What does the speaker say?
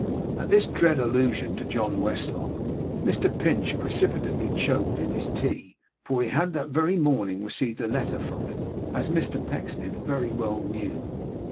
At this dread allusion to John Westlock, Mr Pinch precipitately choked in his tea; for he had that very morning received a letter from him, as Mr Pecksniff very well knew.